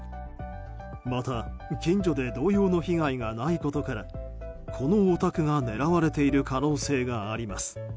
また近所で同様の被害がないことからこのお宅が狙われている可能性があります。